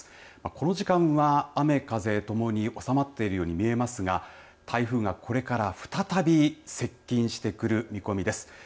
この時間は、雨風ともに収まっているように見えますが台風がこれから再び接近してくる見込みです。